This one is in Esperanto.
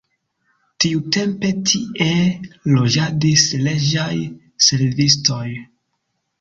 Tiutempe tie loĝadis reĝaj servistoj.